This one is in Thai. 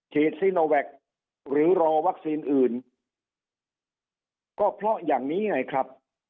ซีโนแวคหรือรอวัคซีนอื่นก็เพราะอย่างนี้ไงครับ